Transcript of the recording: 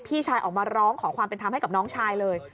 พี่ชายออกมาร้องขอความเป็นธรรมให้กับน้องชายเลย